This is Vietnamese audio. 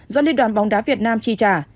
do liên đoàn bóng đá việt nam chi trả